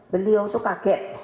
beliau tuh kaget